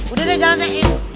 udah deh jalan deh